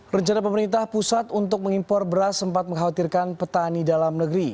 rencana pemerintah pusat untuk mengimpor beras sempat mengkhawatirkan petani dalam negeri